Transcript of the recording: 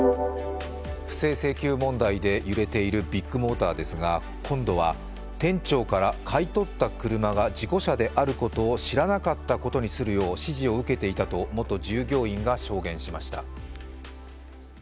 不正請求問題で揺れているビッグモーターですが今度は店長から買い取った車が事故車であることを知らなかったことにするよう指示を受けていたと元従業員が証言しました。